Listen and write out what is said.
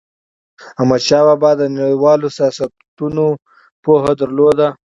احمدشاه بابا د نړیوالو سیاستونو پوهه درلوده.